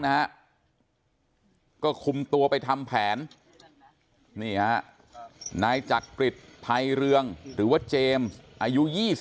นะฮะก็คุมตัวไปทำแผนนี่ฮะนายจักริจภัยเรืองหรือว่าเจมส์อายุ๒๐